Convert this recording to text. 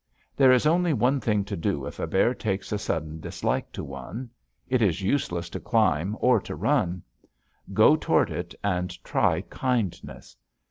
There is only one thing to do if a bear takes a sudden dislike to one. It is useless to climb or to run. Go toward it and try kindness.